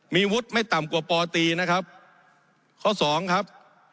มีวุฒิไม่ต่ำกว่าปตีนะครับข้อสองครับ